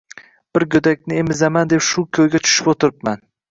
Bir go`dakni emizaman deb shu ko`yga tushib o`tiribman